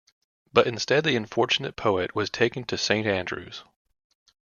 But instead the unfortunate poet was taken to Saint Andrews.